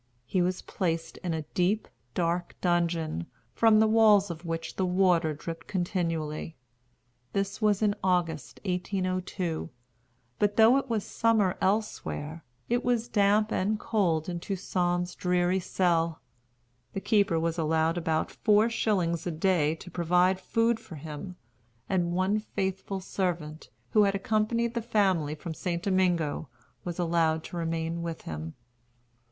He was placed in a deep, dark dungeon, from the walls of which the water dripped continually. This was in August, 1802. But though it was summer elsewhere, it was damp and cold in Toussaint's dreary cell. The keeper was allowed about four shillings a day to provide food for him; and one faithful servant, who had accompanied the family from St. Domingo, was allowed to remain with him.